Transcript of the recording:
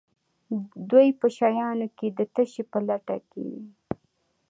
دوی په شیانو کې د تشې په لټه کې وي.